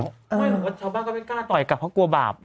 เว้ยวัดชาวบ้านก็ไม่กล้าต่อยกับเพราะกลัวบาป